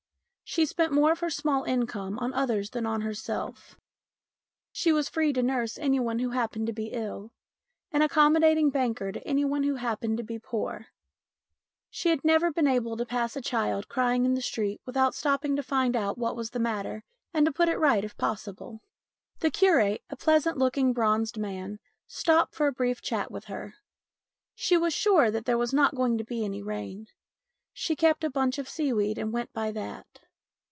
She spent more of her small income on others than on herself; she was free 215 216 STORIES IN GREY nurse to anyone who happened to be ill, and an accommodating banker to anyone who happened to be poor ; she had never been able to pass a child crying in the street without stopping to find out what was the matter and to put it right if possible. The curate, a pleasant looking, bronzed man, stopped for a brief chat with her. She was sure that there was not going to be any rain. She kept a bunch of seaweed and went by that.